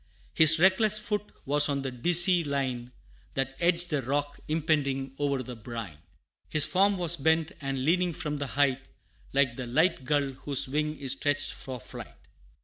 His reckless foot was on the dizzy line That edged the rock, impending o'er the brine; His form was bent, and leaning from the height, Like the light gull whose wing is stretched for flight.